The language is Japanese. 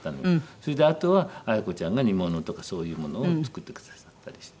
それであとはあや子ちゃんが煮物とかそういうものを作ってくださったりして。